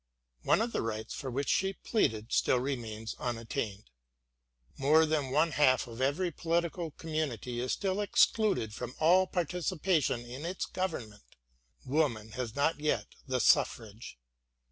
One of the rights for which she pleaded still remains un attained — more than one half of every political community is still excluded from all participation in its government — woman has not yet the suffrage.